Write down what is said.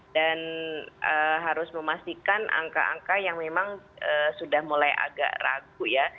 dan harus memastikan angka angka yang memang sudah mulai agak ragu ya